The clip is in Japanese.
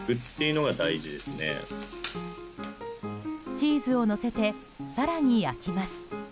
チーズをのせて更に焼きます。